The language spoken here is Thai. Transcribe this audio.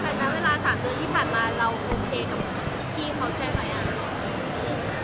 แต่งั้นเวลาสามปีที่ผ่านมาเราโอเคกับที่เขาใช่ไหมอ่ะ